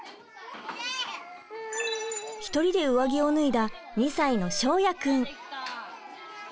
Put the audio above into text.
一人で上着を脱いだ２歳の翔也くん。